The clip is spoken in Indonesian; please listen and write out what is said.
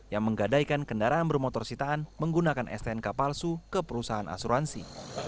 yang menggadaikan kendaraan bermotor sitaan menggunakan stnk palsu ke perusahaan asuransi